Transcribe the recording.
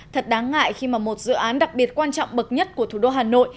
thật đáng ngại khi mà một dự án đặc biệt quan trọng bậc nhất của thủ đô hà nội